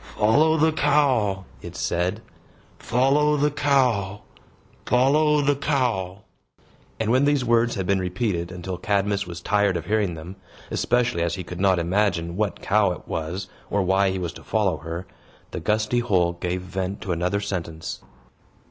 "Follow the cow!" it said. "Follow the cow! Follow the cow!" And when these words had been repeated until Cadmus was tired of hearing them (especially as he could not imagine what cow it was, or why he was to follow her), the gusty hole gave vent to another sentence.